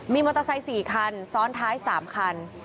มีมอเตอร์ไซค์๔คันซ้อนท้าย๓คัน